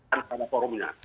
akan ada di forumnya